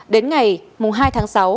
đến ngày hai tháng sáu